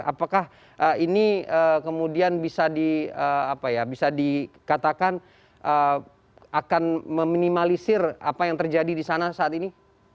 apakah ini kemudian bisa dikatakan akan meminimalisir apa yang terjadi di sana saat ini